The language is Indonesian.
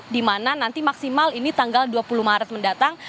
di mana nanti maksimal ini tanggal dua puluh maret mendatang